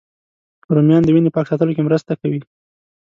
رومیان د وینې پاک ساتلو کې مرسته کوي